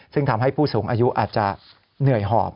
ซึ่งทำให้ผู้สูงอายุอาจจะเหนื่อยหอบ